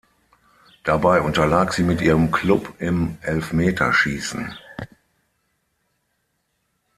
Dabei unterlag sie mit ihrem Club im Elfmeterschiessen.